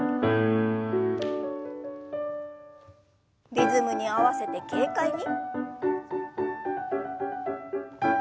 リズムに合わせて軽快に。